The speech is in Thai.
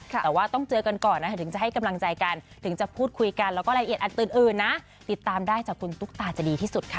แต่ว่าต้องเจอกันก่อนนะคะถึงจะให้กำลังใจกันถึงจะพูดคุยกันแล้วก็รายละเอียดอันอื่นนะติดตามได้จากคุณตุ๊กตาจะดีที่สุดค่ะ